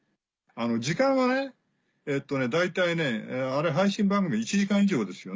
時間が大体あれ配信番組１時間以上ですよね。